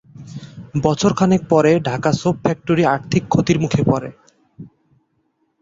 বছর খানেক পরে ঢাকা সোপ ফ্যাক্টরি আর্থিক ক্ষতির মুখে পড়ে।